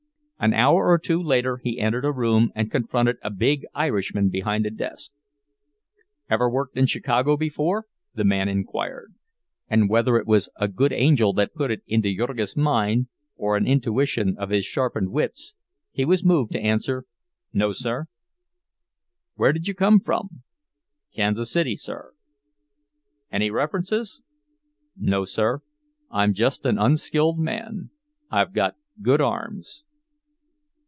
An hour or two later he entered a room and confronted a big Irishman behind a desk. "Ever worked in Chicago before?" the man inquired; and whether it was a good angel that put it into Jurgis's mind, or an intuition of his sharpened wits, he was moved to answer, "No, sir." "Where do you come from?" "Kansas City, sir." "Any references?" "No, sir. I'm just an unskilled man. I've got good arms."